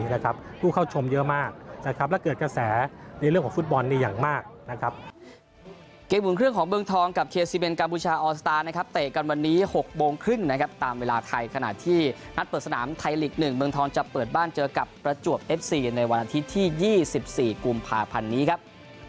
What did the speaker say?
และเกิดกระแสในเรื่องของฟุตบอลนี่อย่างมากนะครับ